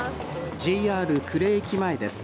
ＪＲ呉駅前です。